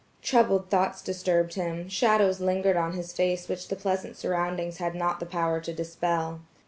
Troubled thoughts disturbed him, shadows lingered on his face which the pleasant surroundings had not the power to dispel.